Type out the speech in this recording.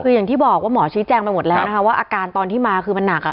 คืออย่างที่บอกว่าหมอชี้แจงไปหมดแล้วนะคะว่าอาการตอนที่มาคือมันหนัก